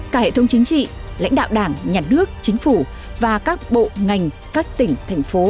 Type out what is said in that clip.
cả hệ thống chính trị lãnh đạo đảng nhà nước chính phủ và các bộ ngành các tỉnh thành phố